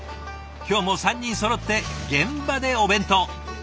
今日も３人そろって現場でお弁当。